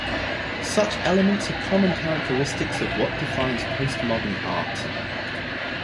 Such elements are common characteristics of what defines postmodern art.